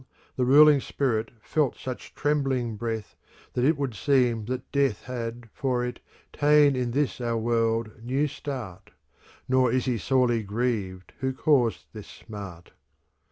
The ruling spirit felt such trembling breath. That it would seem that Death Had, for it, ta'en in this our world new start : Now is he sorely grieved who caused this smart.